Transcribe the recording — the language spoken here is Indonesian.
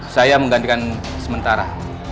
saya menggantikan sementara